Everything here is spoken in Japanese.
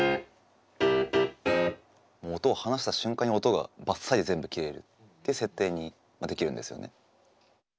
音を離した瞬間に音がバッサリ全部切れるっていう設定にできるんですよね。